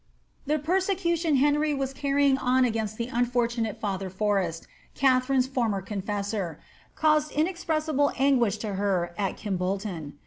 The persecution Henry was carrying on against the unfortunate Father Forrest, Katharine's former confessor, caused inexpressible anguish to Mr at Kimbolton.